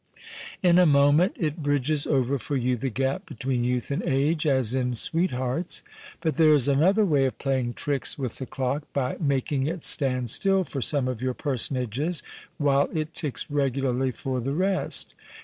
In a moment it bridges over for you the gap between youth and age, as in Sweethearts. But there is another way of playing tricks with the clock, by making it stand still for some of your personages, while it ticks regularly for the rest.